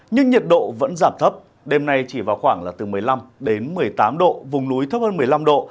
nhưng nhiệt độ vẫn giảm thấp đêm nay chỉ vào khoảng một mươi năm một mươi tám độ vùng núi thấp hơn một mươi năm độ